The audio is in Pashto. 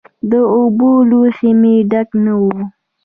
د اوبو لوښی مې ډک نه و.